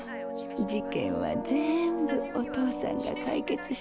事件はぜんぶお父さんが解決してくれるから。